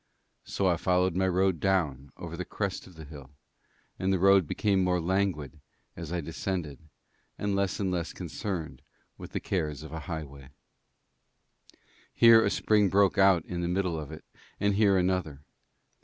So I followed my road down over the crest of the hill, and the road became more languid as I descended, and less and less concerned with the cares of a highway. Here a spring broke out in the middle of it, and here another.